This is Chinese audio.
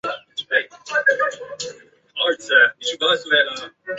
高放射性废物含有核反应堆产生的核裂变产物和超铀元素。